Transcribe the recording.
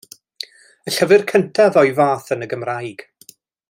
Y llyfr cyntaf o'i fath yn y Gymraeg.